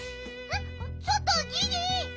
ちょっとギギ！